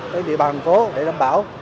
trên địa bàn thành phố để đảm bảo